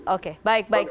oke baik baik